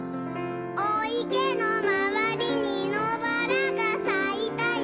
「おいけのまわりにのばらがさいたよ」